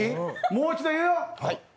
もう一度、言うよ。